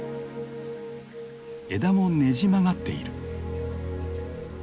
枝もねじ曲がっている。